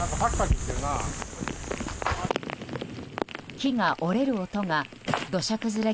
木が折れる音が土砂崩れ